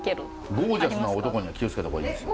ゴージャスな男には気を付けた方がいいですよ。